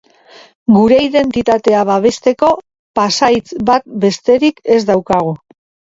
Gure identitatea babesteko pasahitz bat besterik ez daukagu.